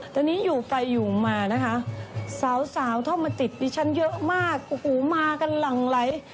ตอนนี้อยู่ไปอยู่มานะคะสาวสาวเข้ามาติดดิฉันเยอะมากโอ้โหมากันหลั่งไหล